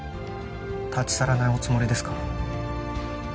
立ち去らないおつもりですか？